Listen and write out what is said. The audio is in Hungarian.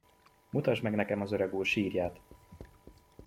Mutasd meg nekem az öregúr sírját!